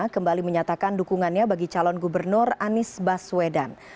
kembali menyatakan dukungannya bagi calon gubernur anies baswedan